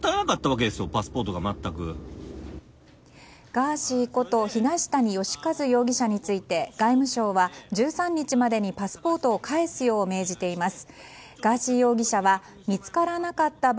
ガーシーこと東谷義和容疑者について外務省は１３日までにパスポートを返すよう命じています。